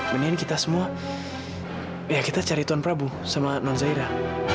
mendingan kita semua ya kita cari tuan prabu sama non zaira